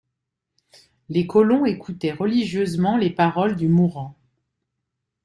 Les colons écoutaient religieusement les paroles du mourant.